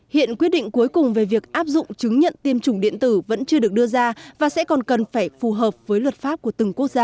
hiện quyết định cuối cùng về việc áp dụng chứng nhận tiêm chủng điện tử vẫn chưa được đưa ra và sẽ còn cần phải phù hợp với luật pháp của từng quốc gia